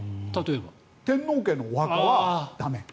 天皇家のお墓は駄目。